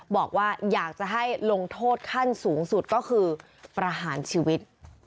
บอกว่าอยากจะให้ลงโทษขั้นสูงสุดก็คือประหารชีวิต